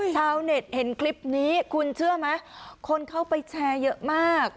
ชาวเน็ตเห็นคลิปนี้คุณเชื่อไหมคนเข้าไปแชร์เยอะมาก